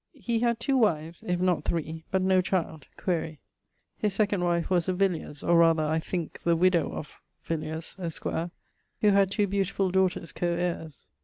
He had two wives, if not three, but no child (quaere). His second wife was a Villiers, or rather (I thinke) the widowe of ... Villers, esq., who had two beautifull daughters, co heires.